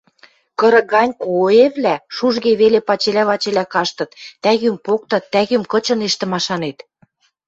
Кырык гань коэвлӓ шужге веле пачелӓ-пачелӓ каштыт, тӓгӱм поктат, тӓгӱм кычынештӹ машанет.